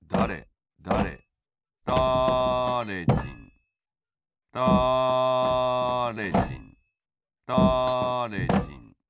じんだれじんだれじん。